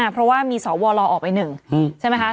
เพราะว่ามีสอวอลอออกไป๑